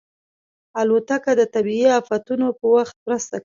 الوتکه د طبیعي افتونو په وخت مرسته کوي.